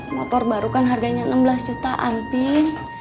motor baru kan harganya enam belas jutaan pin